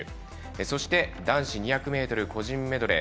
そして男子２００ｍ個人メドレー